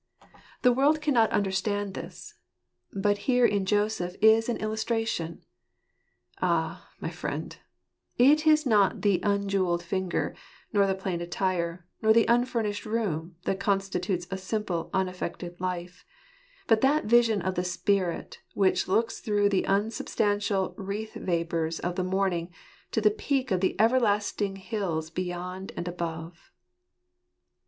The world cannot understand i od Joacplr'a gags this. But here in Joseph is an illustration. Ah, my friend, it is not the unjewelled finger, nor the plain attire, nor the unfurnished room, that constitutes a simple un affected life : but that vision of the spirit, which looks through the unsubstantial wreath vapours of the morning to the peaks of the everlasting hills beyond and above.